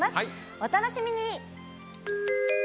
お楽しみに！